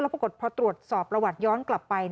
ปรากฏพอตรวจสอบประวัติย้อนกลับไป